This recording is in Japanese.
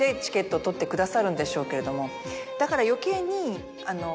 だから余計に。